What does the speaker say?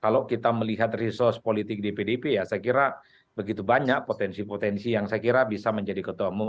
kalau kita melihat resource politik di pdip ya saya kira begitu banyak potensi potensi yang saya kira bisa menjadi ketua umum